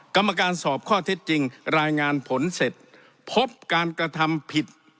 กรรมการสอบข้อเท็จจริงรายงานผลเสร็จพบการกระทำผิด